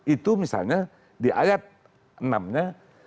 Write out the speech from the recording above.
itu misalnya di ayat enam nya